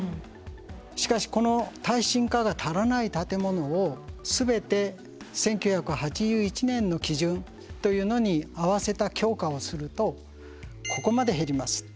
しかしこの耐震化が足らない建物を全て１９８１年の基準というのに合わせた強化をするとここまで減ります。